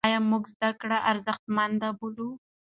ایا موږ زده کړه ارزښتمنه بولو؟